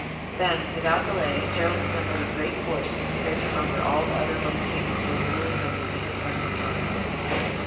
Then, without delay, Harald assembled a great force and prepared to conquer all the other little kings who were ruling over the different parts of Norway.